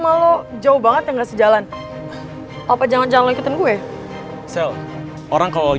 masih ada yang ngangkat barangnya